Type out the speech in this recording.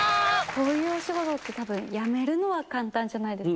こういうお仕事って多分辞めるのは簡単じゃないですか。